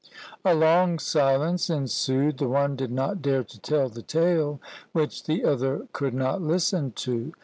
A long silence ensued; the one did not dare to tell the tale which the other could not listen to.